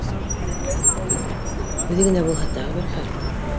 — Үҙе генә булһа, тағы бер хәл